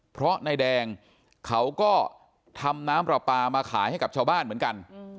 เพราะนายแดงเขาก็ทำน้ำปลาปลามาขายให้กับชาวบ้านเหมือนกัน